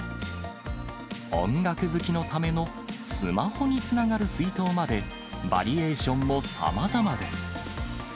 音楽好きのためのスマホにつながる水筒まで、バリエーションもさまざまです。